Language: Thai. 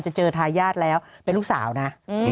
จะเจอทายาทแล้วเป็นลูกสาวนะ